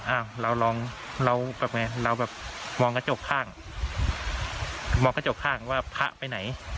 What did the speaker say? อ้าวเราลองเราแบบไงเราแบบมองกระจกข้างมองกระจกข้างว่าพระไปไหน